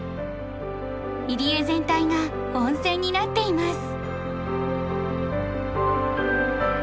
入り江全体が温泉になっています。